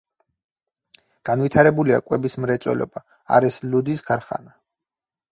განვითარებულია კვების მრეწველობა, არის ლუდის ქარხანა.